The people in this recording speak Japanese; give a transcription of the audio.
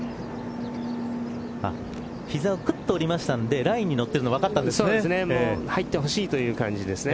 膝をくっと折りましたのでラインに乗っているのが入ってほしいという感じですね